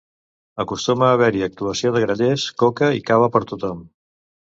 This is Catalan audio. Acostuma a haver-hi actuació de grallers, coca i cava per tothom.